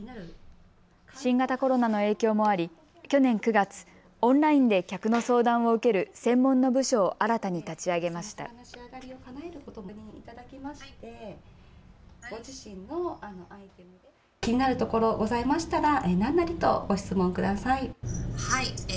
新型コロナの影響もあり去年９月、オンラインで客の相談を受ける専門の部署を新たに立ち上げました。